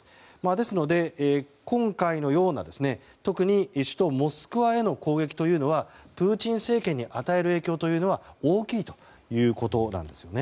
ですので、今回のような首都モスクワへの攻撃というのはプーチン政権に与える影響は大きいということなんですね。